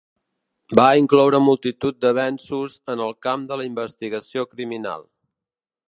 Va incloure multitud d'avenços en el camp de la investigació criminal.